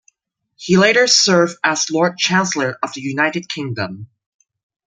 He later served as Lord Chancellor of the United Kingdom.